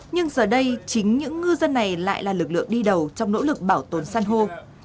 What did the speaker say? nhưng giờ đây chính những ngư dân này lại là lực lượng đi đầu trong nỗ lực bảo tồn săn hô